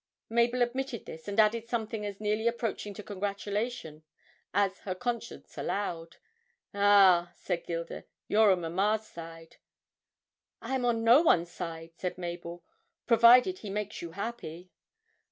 Mabel admitted this, and added something as nearly approaching to congratulation as her conscience allowed. 'Ah,' said Gilda, 'you're on mamma's side.' 'I am on no side,' said Mabel, 'provided he makes you happy.'